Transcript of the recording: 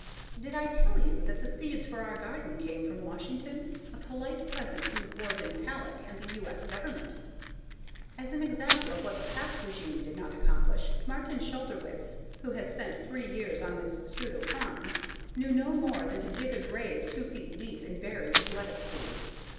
Did I tell you that the seeds for our garden came from Washington? A polite present from Gordon Hallock and the U. S. Government. As an example of what the past regime did not accomplish, Martin Schladerwitz, who has spent three years on this pseudo farm, knew no more than to dig a grave two feet deep and bury his lettuce seeds!